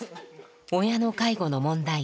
親の介護の問題。